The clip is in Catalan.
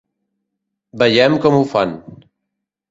Veiem com ho fan.